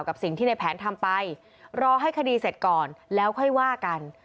กับสิ่งที่ในแผนทำไปรอให้คดีเสร็จก่อนแล้วค่อยว่ากัน